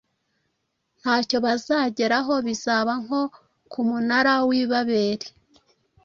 ntacyo bazageraho bizaba nko ku munara w’ i baberi,